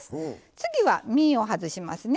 次は身を外しますね。